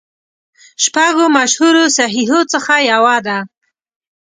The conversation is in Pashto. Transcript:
شپږو مشهورو صحیحو څخه یوه ده.